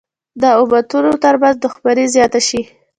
د امتونو تر منځ دښمني زیاته شي.